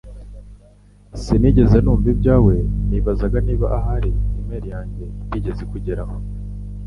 Sinigeze numva ibyawe Nibazaga niba ahari mail yanjye itigeze ikugeraho